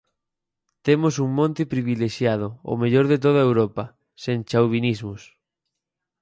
Temos un monte privilexiado, o mellor de toda Europa, sen chauvinismos.